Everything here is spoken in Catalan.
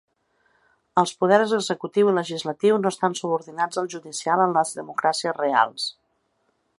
Els poders executiu i legislatiu no estan subordinats al judicial en les democràcies reals.